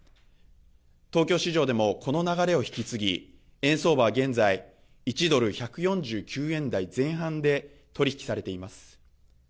東京市場でもこの流れを引き継ぎ円相場は現在、１ドル１４９円台前半で取り引きされています。